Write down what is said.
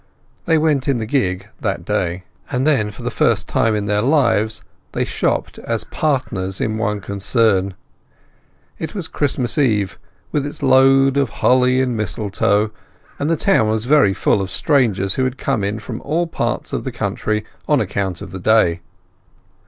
They went in the gig that day. And then for the first time in their lives they shopped as partners in one concern. It was Christmas Eve, with its loads a holly and mistletoe, and the town was very full of strangers who had come in from all parts of the country on account of the day.